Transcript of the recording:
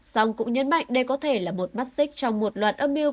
song cũng nhấn mạnh đây có thể là một mắt xích trong một loạt âm mưu